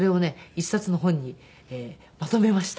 一冊の本にまとめました。